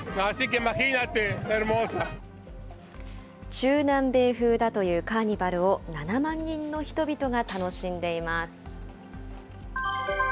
中南米風だというカーニバルを７万人の人々が楽しんでいます。